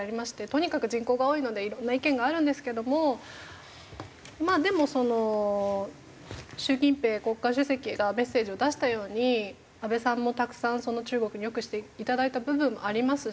とにかく人口が多いのでいろんな意見があるんですけどもまあでもその習近平国家主席がメッセージを出したように安倍さんもたくさん中国に良くしていただいた部分もありますし。